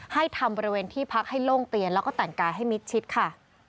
ให้ทำบริเวณที่พักให้โล่งเตียนแล้วก็แต่งกายให้มิดชิดค่ะ